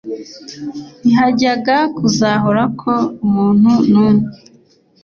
Ntihajyaga kuzarokoka umuntu n umwe